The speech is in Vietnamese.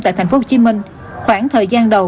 tại tp hcm khoảng thời gian đầu